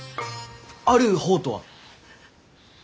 ある方とは？